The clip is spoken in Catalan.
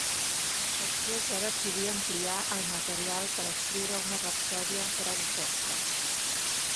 Després va decidir ampliar el material per a escriure una rapsòdia per a orquestra.